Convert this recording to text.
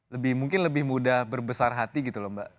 lebih mungkin lebih mudah berbesar hati gitu loh mbak